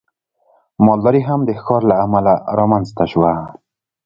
مالداري هم د ښکار له امله رامنځته شوه.